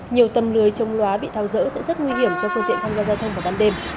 nhiều tầm lười chống lóa bị thao rỡ sẽ rất nguy hiểm cho phương tiện tham gia giao thông vào ban đêm